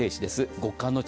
極寒の地。